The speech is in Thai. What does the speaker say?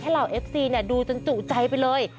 เหล่าเอฟซีดูจนจุใจไปเลย